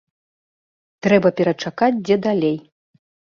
Трэба перачакаць дзе далей.